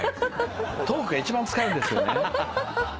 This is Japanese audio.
トークが一番使うんですよね。